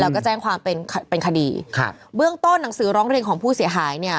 แล้วก็แจ้งความเป็นเป็นคดีครับเบื้องต้นหนังสือร้องเรียนของผู้เสียหายเนี่ย